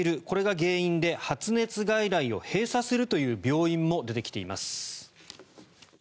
これが原因で発熱外来を閉鎖するという病院も出てきています。